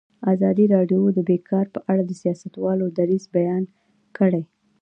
ازادي راډیو د بیکاري په اړه د سیاستوالو دریځ بیان کړی.